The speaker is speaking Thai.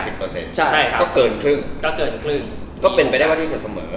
ใช่ครับก็เกินครึ่งก็เกินครึ่งก็เป็นไปได้ว่าที่จะเสมอ